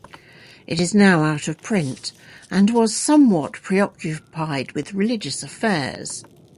It is now out of print, and was somewhat preoccupied with religious affairs.